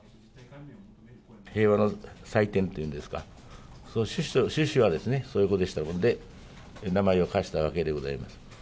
平和の祭典というんですか、趣旨はそういうことでしたので、名前を貸したわけでございます。